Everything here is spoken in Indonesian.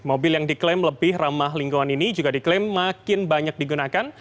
mobil yang diklaim lebih ramah lingkungan ini juga diklaim makin banyak digunakan